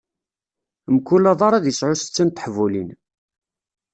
Mkul adar ad isɛu setta n teḥbulin.